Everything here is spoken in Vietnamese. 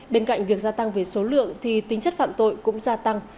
bên cạnh việc gia tăng về số lượng thì tính chất phạm tội cũng gia tăng